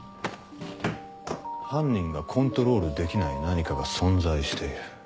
犯人がコントロールできない何かが存在している。